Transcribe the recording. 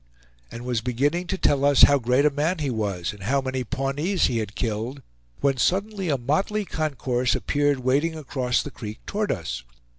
and was beginning to tell us how great a man he was, and how many Pawnees he had killed, when suddenly a motley concourse appeared wading across the creek toward us.